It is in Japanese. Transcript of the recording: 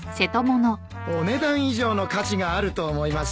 お値段以上の価値があると思います。